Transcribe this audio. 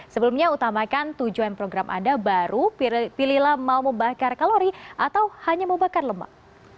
sebelumnya utamakan tujuan program anda baru pilihlah mau membakar kalori atau hanya membakar lemak